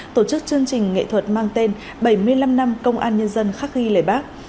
tổ chức chương trình nghệ thuật mang tên bảy mươi năm năm công an nhân dân khắc ghi lời bác